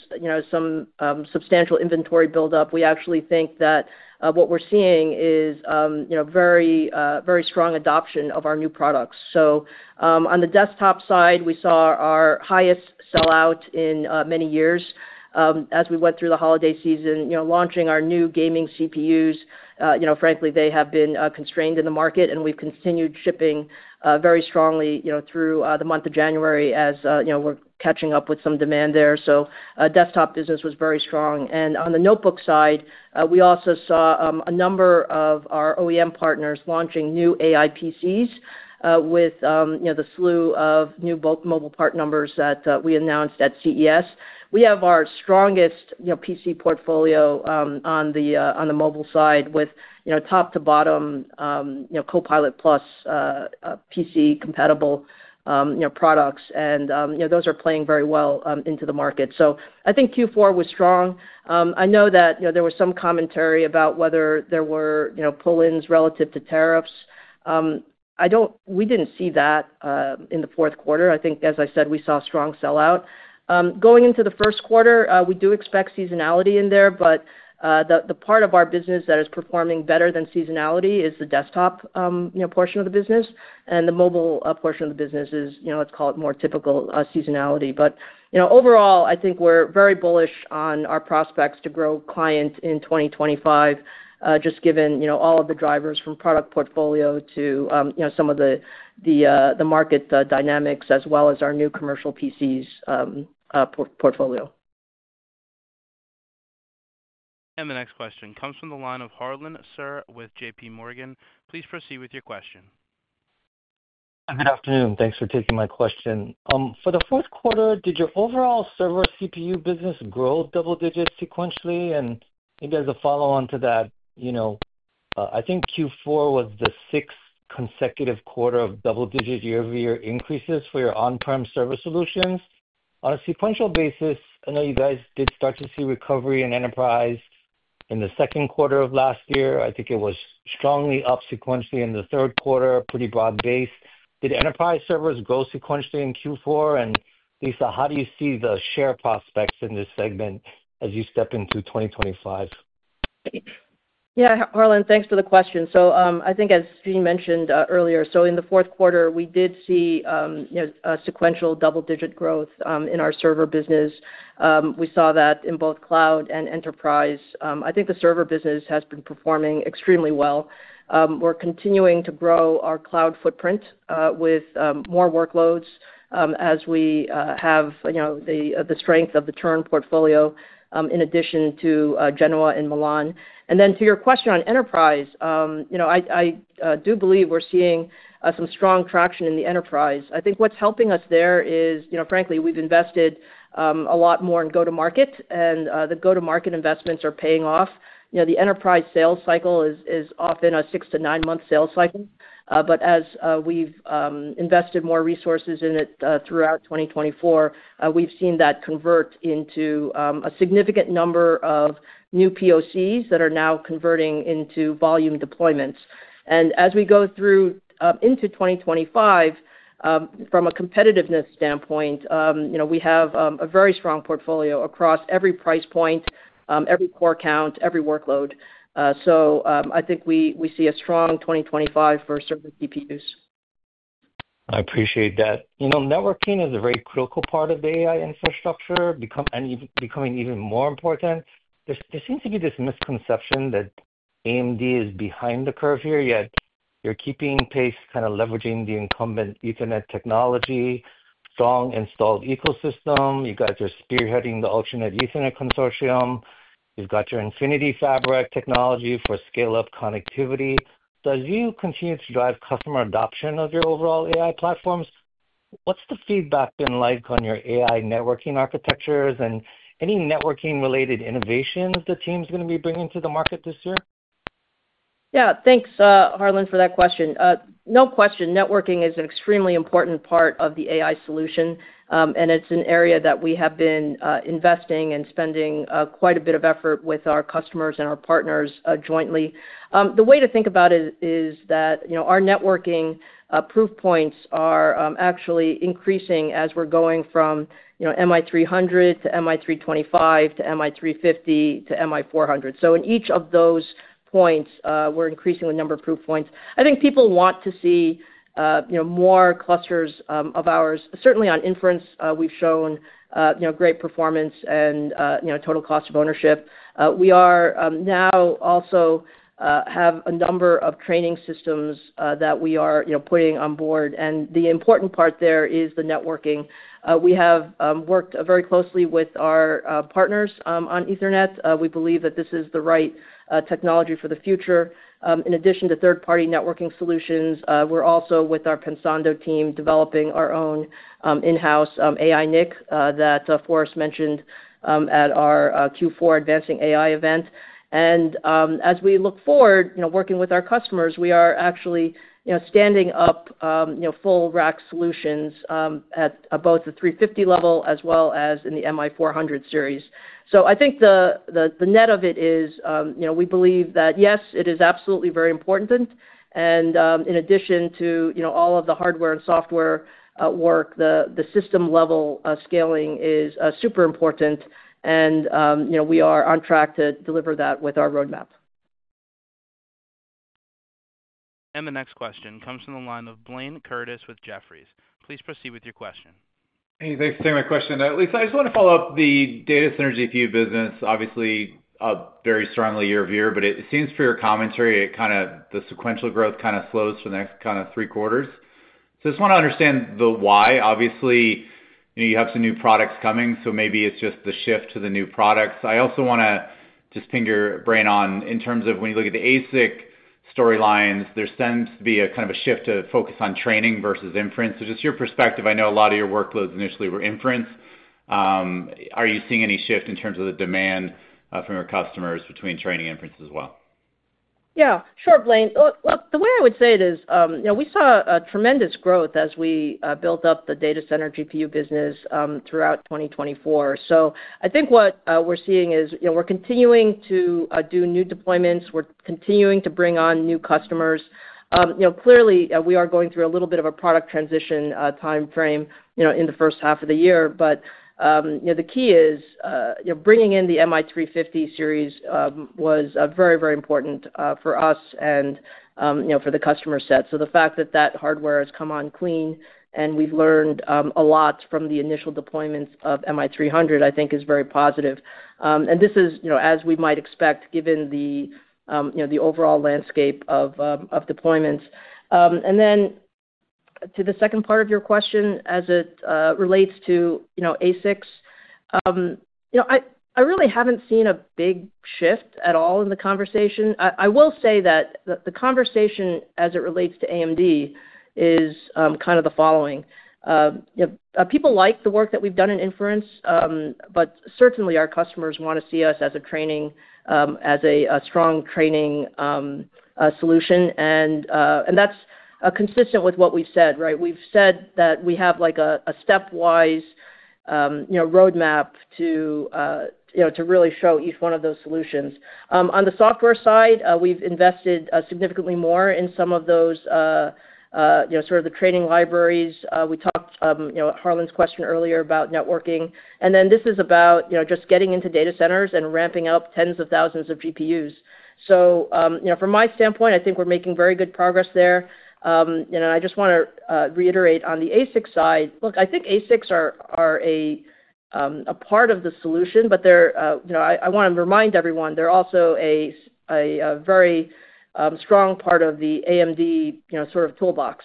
some substantial inventory build-up. We actually think that what we're seeing is very strong adoption of our new products. So on the desktop side, we saw our highest sellout in many years as we went through the holiday season, launching our new gaming CPUs. Frankly, they have been constrained in the market, and we've continued shipping very strongly through the month of January as we're catching up with some demand there. So desktop business was very strong. And on the notebook side, we also saw a number of our OEM partners launching new AI PCs with the slew of new mobile part numbers that we announced at CES. We have our strongest PC portfolio on the mobile side with top-to-bottom Copilot+ PC compatible products, and those are playing very well into the market, so I think Q4 was strong. I know that there was some commentary about whether there were pull-ins relative to tariffs. We didn't see that in the fourth quarter. I think, as I said, we saw strong sellout. Going into the first quarter, we do expect seasonality in there, but the part of our business that is performing better than seasonality is the desktop portion of the business, and the mobile portion of the business is, let's call it, more typical seasonality. But overall, I think we're very bullish on our prospects to grow clients in 2025, just given all of the drivers from product portfolio to some of the market dynamics as well as our new commercial PCs portfolio. The next question comes from the line of Harlan Sur with JP Morgan. Please proceed with your question. Good afternoon. Thanks for taking my question. For the fourth quarter, did your overall server CPU business grow double-digit sequentially? And maybe as a follow-on to that, I think Q4 was the sixth consecutive quarter of double-digit year-over-year increases for your on-prem server solutions. On a sequential basis, I know you guys did start to see recovery in enterprise in the second quarter of last year. I think it was strongly up sequentially in the third quarter, pretty broad base. Did enterprise servers grow sequentially in Q4? And Lisa, how do you see the share prospects in this segment as you step into 2025? Yeah, Harlan, thanks for the question. I think, as Jean mentioned earlier, so in the fourth quarter, we did see a sequential double-digit growth in our server business. We saw that in both cloud and enterprise. I think the server business has been performing extremely well. We're continuing to grow our cloud footprint with more workloads as we have the strength of the Zen portfolio in addition to Genoa and Milan. And then to your question on enterprise, I do believe we're seeing some strong traction in the enterprise. I think what's helping us there is, frankly, we've invested a lot more in go-to-market, and the go-to-market investments are paying off. The enterprise sales cycle is often a six- to nine-month sales cycle. But as we've invested more resources in it throughout 2024, we've seen that convert into a significant number of new POCs that are now converting into volume deployments. As we go through into 2025, from a competitiveness standpoint, we have a very strong portfolio across every price point, every core count, every workload. I think we see a strong 2025 for server CPUs. I appreciate that. Networking is a very critical part of the AI infrastructure and becoming even more important. There seems to be this misconception that AMD is behind the curve here, yet you're keeping pace, kind of leveraging the incumbent Ethernet technology, strong installed ecosystem. You guys are spearheading the Ultra Ethernet Consortium. You've got your Infinity Fabric technology for scale-up connectivity. Does Pensando continue to drive customer adoption of your overall AI platforms? What's the feedback been like on your AI networking architectures and any networking-related innovations the team is going to be bringing to the market this year? Yeah, thanks, Harlan, for that question. No question. Networking is an extremely important part of the AI solution, and it's an area that we have been investing and spending quite a bit of effort with our customers and our partners jointly. The way to think about it is that our networking proof points are actually increasing as we're going from MI300, MI325, MI350, to MI400. So in each of those points, we're increasing the number of proof points. I think people want to see more clusters of ours. Certainly, on inference, we've shown great performance and total cost of ownership. We now also have a number of training systems that we are putting on board. And the important part there is the networking. We have worked very closely with our partners on Ethernet. We believe that this is the right technology for the future. In addition to third-party networking solutions, we're also with our Pensando team developing our own in-house AI NIC that Forrest mentioned at our Q4 Advancing AI event. As we look forward, working with our customers, we are actually standing up full rack solutions at both the 350 level as well as in the MI400 series. I think the net of it is we believe that, yes, it is absolutely very important. In addition to all of the hardware and software work, the system-level scaling is super important. We are on track to deliver that with our roadmap. The next question comes from the line of Blayne Curtis with Jefferies. Please proceed with your question. Hey, thanks for taking my question. Lisa, I just want to follow up the data center business, obviously very strong year-over-year. But it seems for your commentary, kind of the sequential growth kind of slows for the next kind of three quarters. So I just want to understand the why. Obviously, you have some new products coming, so maybe it is just the shift to the new products. I also want to just ping your brain on in terms of when you look at the ASIC storylines, there seems to be a kind of a shift to focus on training versus inference. So just your perspective, I know a lot of your workloads initially were inference. Are you seeing any shift in terms of the demand from your customers between training and inference as well? Yeah. Sure, Blayne. Look, the way I would say it is we saw a tremendous growth as we built up the data center GPU business throughout 2024. So I think what we're seeing is we're continuing to do new deployments. We're continuing to bring on new customers. Clearly, we are going through a little bit of a product transition timeframe in the first half of the year. But the key is bringing in the MI350 series was very, very important for us and for the customer set. So the fact that that hardware has come online and we've learned a lot from the initial deployments of MI300, I think, is very positive. And this is, as we might expect, given the overall landscape of deployments. And then to the second part of your question as it relates to ASICs, I really haven't seen a big shift at all in the conversation. I will say that the conversation as it relates to AMD is kind of the following. People like the work that we've done in inference, but certainly our customers want to see us as a strong training solution. That's consistent with what we've said, right? We've said that we have a stepwise roadmap to really show each one of those solutions. On the software side, we've invested significantly more in some of those sort of the training libraries. We talked Harlan's question earlier about networking. Then this is about just getting into data centers and ramping up tens of thousands of GPUs. From my standpoint, I think we're making very good progress there. I just want to reiterate on the ASIC side. Look, I think ASICs are a part of the solution, but I want to remind everyone they're also a very strong part of the AMD sort of toolbox.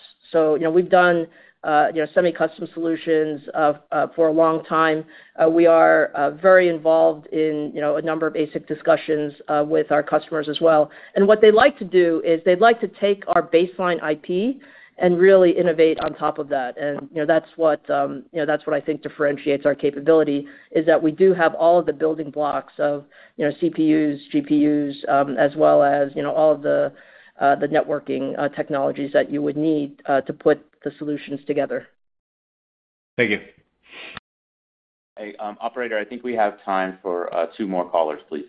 We've done semi-custom solutions for a long time. We are very involved in a number of ASIC discussions with our customers as well. And what they'd like to do is they'd like to take our baseline IP and really innovate on top of that. And that's what I think differentiates our capability is that we do have all of the building blocks of CPUs, GPUs, as well as all of the networking technologies that you would need to put the solutions together. Thank you. Hey, operator, I think we have time for two more callers, please.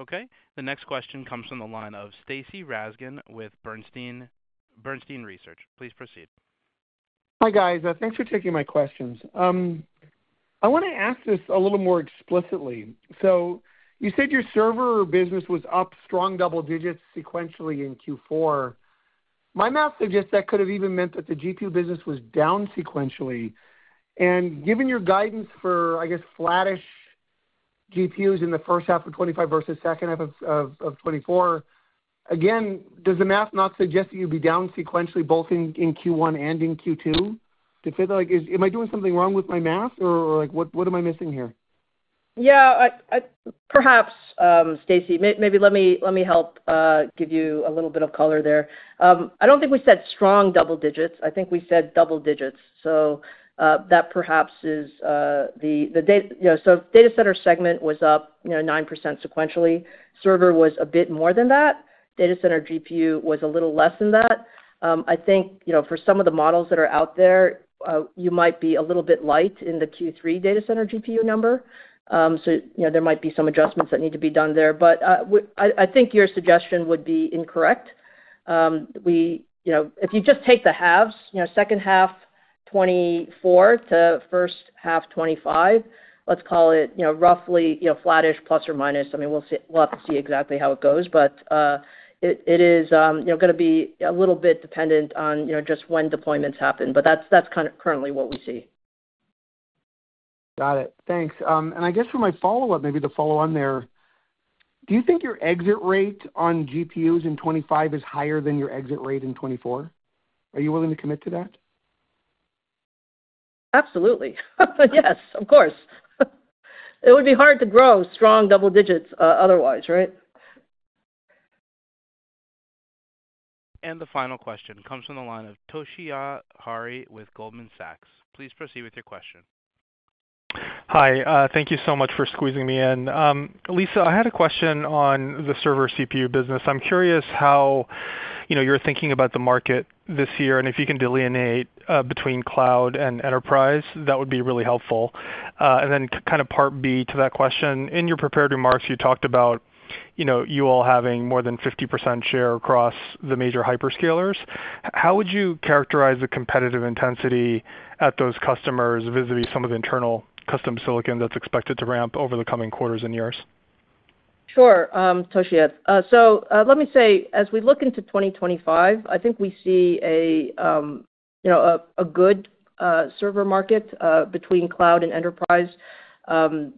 Okay. The next question comes from the line of Stacy Rasgon with Bernstein Research. Please proceed. Hi guys. Thanks for taking my questions. I want to ask this a little more explicitly. So you said your server business was up strong double digits sequentially in Q4. My math suggests that could have even meant that the GPU business was down sequentially. Given your guidance for, I guess, flattish GPUs in the first half of 2025 versus second half of 2024, again, does the math not suggest that you'd be down sequentially both in Q1 and in Q2? Am I doing something wrong with my math, or what am I missing here? Yeah, perhaps, Stacy. Maybe let me help give you a little bit of color there. I don't think we said strong double digits. I think we said double digits. So that perhaps is the data center segment was up 9% sequentially. Server was a bit more than that. Data center GPU was a little less than that. I think for some of the models that are out there, you might be a little bit light in the Q3 data center GPU number. So there might be some adjustments that need to be done there. But I think your suggestion would be incorrect. If you just take the halves, second half 2024 to first half 2025, let's call it roughly flattish plus or minus. I mean, we'll have to see exactly how it goes. But it is going to be a little bit dependent on just when deployments happen. But that's currently what we see. Got it. Thanks. And I guess for my follow-up, maybe to follow on there, do you think your exit rate on GPUs in 2025 is higher than your exit rate in 2024? Are you willing to commit to that? Absolutely. Yes, of course. It would be hard to grow strong double digits otherwise, right? And the final question comes from the line of Toshiya Hari with Goldman Sachs. Please proceed with your question. Hi. Thank you so much for squeezing me in. Lisa, I had a question on the server CPU business. I'm curious how you're thinking about the market this year. And if you can delineate between cloud and enterprise, that would be really helpful. And then kind of part B to that question, in your prepared remarks, you talked about you all having more than 50% share across the major hyperscalers. How would you characterize the competitive intensity at those customers vis-à-vis some of the internal custom silicon that's expected to ramp over the coming quarters and years? Sure, Toshi, so let me say, as we look into 2025, I think we see a good server market between cloud and enterprise. I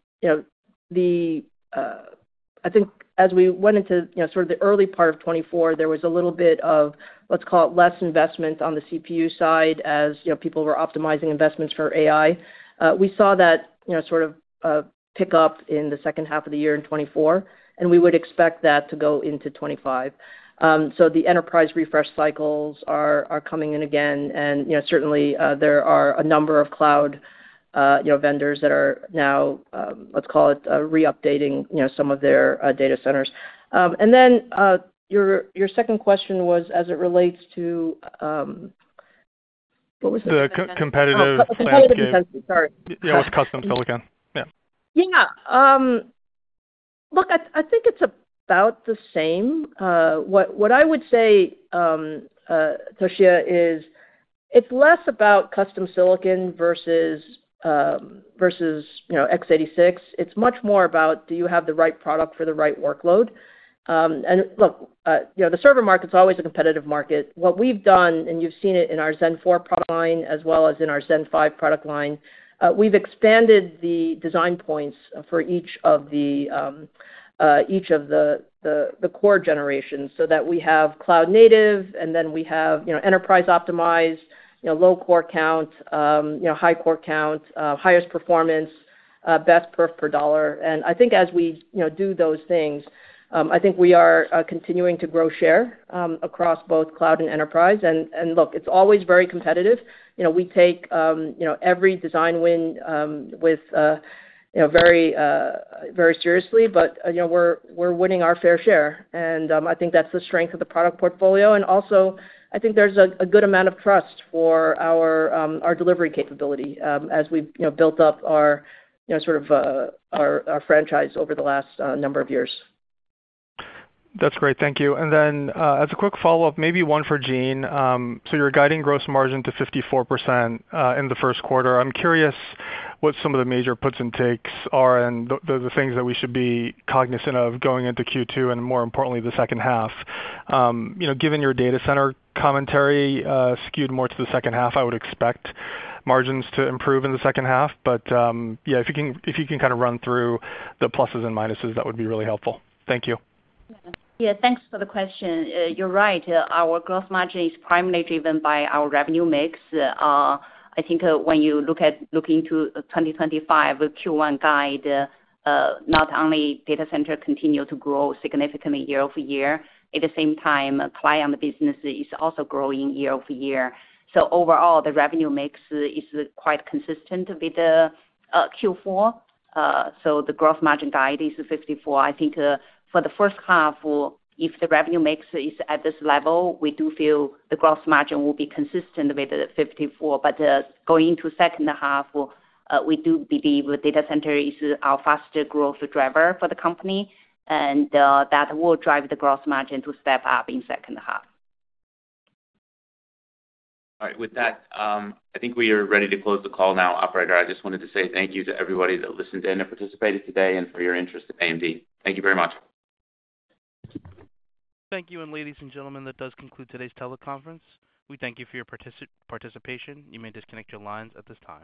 think as we went into sort of the early part of 2024, there was a little bit of, let's call it, less investment on the CPU side as people were optimizing investments for AI. We saw that sort of pick up in the second half of the year in 2024, and we would expect that to go into 2025. So the enterprise refresh cycles are coming in again. And certainly, there are a number of cloud vendors that are now, let's call it, re-updating some of their data centers. And then your second question was as it relates to what was the competitive? The competitive intensity, sorry. Yeah, with custom silicon. Yeah. Yeah. Look, I think it's about the same. What I would say, Toshiya, is it's less about custom silicon versus x86. It's much more about, do you have the right product for the right workload? And look, the server market's always a competitive market. What we've done, and you've seen it in our Zen 4 product line as well as in our Zen 5 product line, we've expanded the design points for each of the core generations so that we have cloud native, and then we have enterprise optimized, low core count, high core count, highest performance, best perf per dollar. I think as we do those things, I think we are continuing to grow share across both cloud and enterprise. Look, it's always very competitive. We take every design win very seriously, but we're winning our fair share. I think that's the strength of the product portfolio. Also, I think there's a good amount of trust for our delivery capability as we've built up our sort of franchise over the last number of years. That's great. Thank you. And then as a quick follow-up, maybe one for Jean. So you're guiding gross margin to 54% in the first quarter. I'm curious what some of the major puts and takes are and the things that we should be cognizant of going into Q2 and more importantly, the second half. Given your data center commentary skewed more to the second half, I would expect margins to improve in the second half. But yeah, if you can kind of run through the pluses and minuses, that would be really helpful. Thank you. Yeah, thanks for the question. You're right. Our gross margin is primarily driven by our revenue mix. I think when you look into 2025 Q1 guide, not only data center continue to grow significantly year-over-year, at the same time, client business is also growing year-over-year. So overall, the revenue mix is quite consistent with Q4. So the gross margin guide is 54%. I think for the first half, if the revenue mix is at this level, we do feel the gross margin will be consistent with 54%. But going into second half, we do believe data center is our fastest growth driver for the company. And that will drive the gross margin to step up in second half. All right. With that, I think we are ready to close the call now. Operator, I just wanted to say thank you to everybody that listened in and participated today and for your interest in AMD. Thank you very much. Thank you. And ladies and gentlemen, that does conclude today's teleconference. We thank you for your participation. You may disconnect your lines at this time.